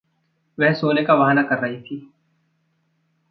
वह सोना का बहाना कर रही थी।